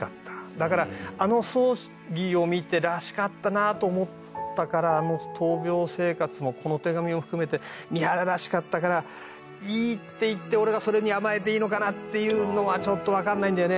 だからあの葬儀を見て「らしかったな」と思ったからあの闘病生活もこの手紙も含めて三原らしかったからいいって言って俺がそれに甘えていいのかなっていうのはちょっとわかんないんだよね。